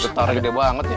betar gede banget ya